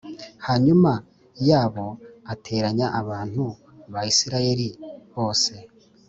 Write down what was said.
hanyuma yabo ateranya abantu ba Isirayeli bose